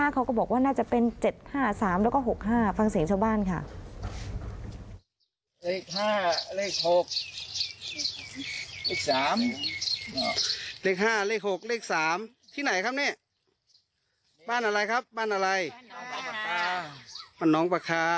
เขาก็บอกว่าน่าจะเป็น๗๕๓แล้วก็๖๕ฟังเสียงชาวบ้านค่ะ